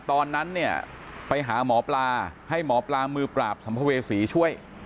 ตอนนั้นเนี่ยไปหาหมอปลาให้หมอปลามือปราบสัมภเวษีช่วย